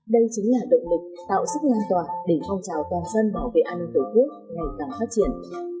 đây chính là động lực tạo sức lan tỏa để phong trào toàn dân bảo vệ an ninh tổ quốc ngày càng phát triển